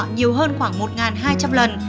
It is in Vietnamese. nhiều hơn khoảng một hai trăm linh lần